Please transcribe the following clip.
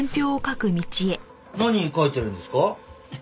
何書いてるんですか？